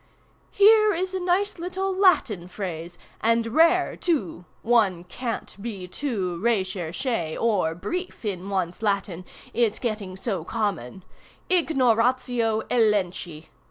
"Here is a nice little Latin phrase, and rare too, (one can't be too recherché or brief in one's Latin, it's getting so common—ignoratio elenchi.